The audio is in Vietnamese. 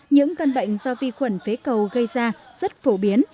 những căn bệnh do vi khuẩn phế cầu gây ra rất phổ biến